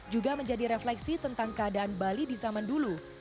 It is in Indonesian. juga menjadi refleksi tentang keadaan bali di zaman dulu